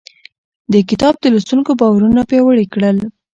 دې کتاب د لوستونکو باورونه پیاوړي کړل.